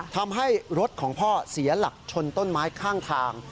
ทำให้รถของพ่อเสียหลักชนต้นไม้ข้างทาง